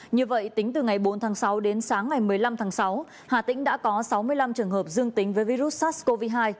như vậy tính từ ngày bốn tháng sáu đến sáng ngày một mươi năm tháng sáu hà tĩnh đã có sáu mươi năm trường hợp dương tính với virus sars cov hai